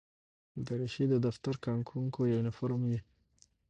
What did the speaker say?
دریشي د دفتر کارکوونکو یونیفورم وي.